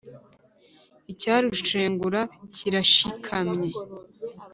icya rushengura kirashikamye !